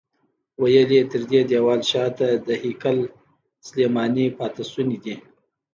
ویل یې تر دې دیوال شاته د هیکل سلیماني پاتې شوني دي.